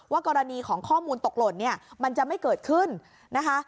กรณีของข้อมูลตกหล่นเนี่ยมันจะไม่เกิดขึ้นนะคะ